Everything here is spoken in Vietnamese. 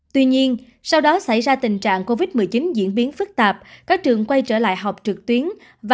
tuy nhiên sau đó xảy ra tình trạng covid một mươi chín diễn biến phức tạp các trường quay trở lại học trực tuyến